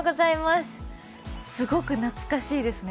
すごく懐かしいですね。